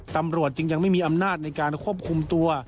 ตำรวจจึงยังไม่มีอำนาจในการควบคุมตัว